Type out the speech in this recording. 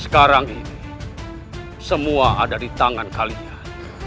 sekarang ini semua ada di tangan kalian